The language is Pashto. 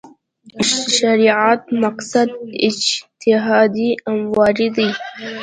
شریعت مقاصد اجتهادي امور دي.